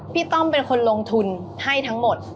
ต้อมเป็นคนลงทุนให้ทั้งหมด